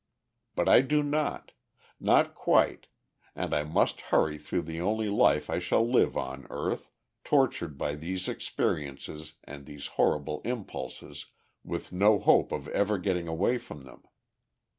But I do not ... not quite, and I must hurry through the only life I shall live on earth, tortured by these experiences and these horrible impulses, with no hope of ever getting away from them.